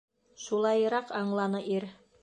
Шулайыраҡ аңланы ир.